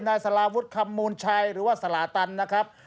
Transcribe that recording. นายสาราวุฒิคำมูลชัยหรือว่าสลาตันนะครับ